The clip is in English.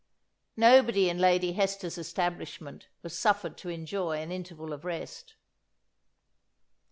Nobody in Lady Hester's establishment was suffered to enjoy an interval of rest.